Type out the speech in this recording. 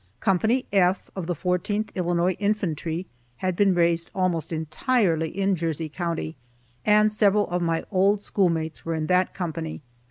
Co. F of the 14th Illinois Infantry had been raised almost entirely in Jersey county, and several of my old schoolmates were in that company.